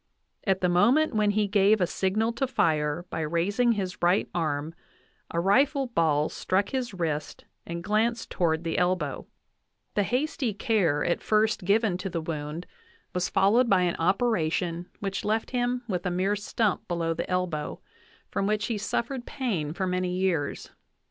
At the moment when he gave a signal to fire by raising his right arm a rifle ball struck his wrist and glanced toward the elbow. The hasty care at first 13 NATIONAL ACADEMY BIOGRAPHICAL MEMOIRS VOL. VIII given to the wound was followed by an operation which left him with a mere stump below the elbow, from which he suf fered pain for many years.